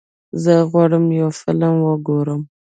زه غواړم یو فلم وګورم.